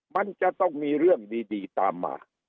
มันจะต้องมีเรื่องดีตามมา